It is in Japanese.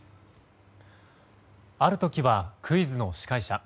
ある時はクイズの司会者。